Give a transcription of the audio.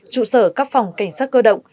trụ sở các phòng cảnh sát cơ động